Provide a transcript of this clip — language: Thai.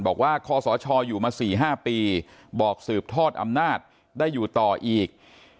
คอสชอยู่มา๔๕ปีบอกสืบทอดอำนาจได้อยู่ต่ออีก